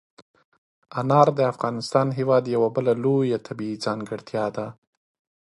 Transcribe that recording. انار د افغانستان هېواد یوه بله لویه طبیعي ځانګړتیا ده.